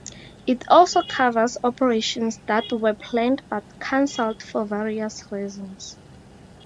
It also covers operations that were planned but cancelled for various reasons.